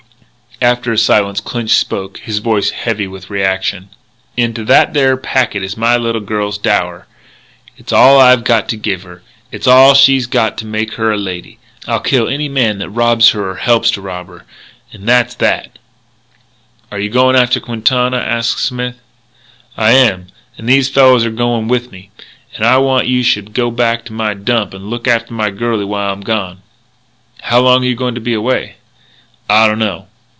After a silence, Clinch spoke, his voice heavy with reaction: "Into that there packet is my little girl's dower. It's all I got to give her. It's all she's got to make her a lady. I'll kill any man that robs her or that helps rob her. 'N'that's that." "Are you going on after Quintana?" asked Smith. "I am. 'N'these fellas are a going with me. N' I want you should go back to my Dump and look after my girlie while I'm gone." "How long are you going to be away?" "I dunno."